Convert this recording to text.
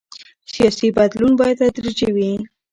سیاسي بدلون باید تدریجي وي